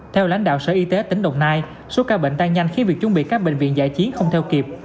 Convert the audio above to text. theo lãnh đạo sở y tế tỉnh đồng nai số ca bệnh tăng nhanh khiến việc chuẩn bị các bệnh viện giải chiến không theo kịp